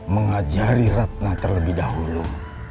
mengajari ratna terlebih dahulu